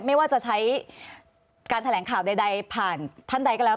ไม่ว่าจะใช้การแถลงข่าวใดผ่านท่านใดก็แล้ว